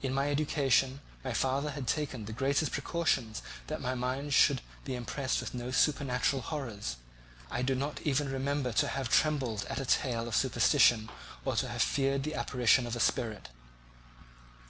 In my education my father had taken the greatest precautions that my mind should be impressed with no supernatural horrors. I do not ever remember to have trembled at a tale of superstition or to have feared the apparition of a spirit.